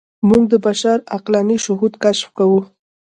موږ د بشر عقلاني شهود کشف کوو.